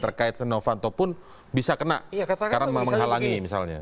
terkait setia novanto pun bisa kena karena menghalangi misalnya